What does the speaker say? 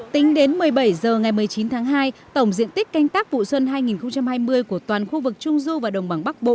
tính đến một mươi bảy h ngày một mươi chín tháng hai tổng diện tích canh tác vụ xuân hai nghìn hai mươi của toàn khu vực trung du và đồng bằng bắc bộ